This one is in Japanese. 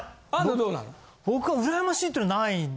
僕は羨ましいっていうのはない。